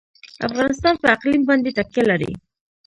افغانستان په اقلیم باندې تکیه لري.